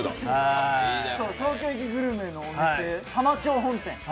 東京駅グルメのお店、玉丁本店